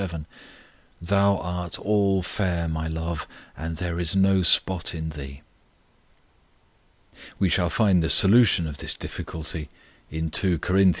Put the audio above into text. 7: Thou art all fair, My love; And there is no spot in thee. We shall find the solution of this difficulty in 2 Cor. iii.